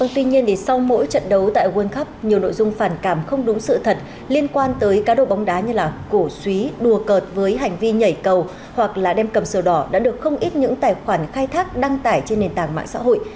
tuy nhiên sau mỗi trận đấu tại world cup nhiều nội dung phản cảm không đúng sự thật liên quan tới cá độ bóng đá như là cổ suý đùa cợt với hành vi nhảy cầu hoặc là đem cầm sổ đỏ đã được không ít những tài khoản khai thác đăng tải trên nền tảng mạng xã hội